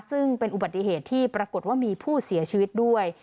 ซึ่งเป็นอุบัติเหตุที่ปรากฏว่ามีผู้เสียชีวิตด้วย